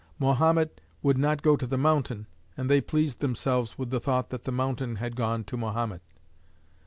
Mahomet would not go to the mountain, and they pleased themselves with the thought that the mountain had gone to Mahomet.